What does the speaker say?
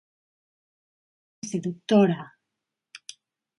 Elba Nese, Dra.